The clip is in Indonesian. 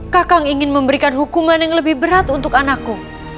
kakang ingin memberikan hukuman yang lebih berat untuk anakku